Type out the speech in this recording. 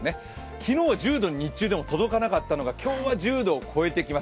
昨日、１０度に日中でも届かなかったのが今日は１０度を超えてきます。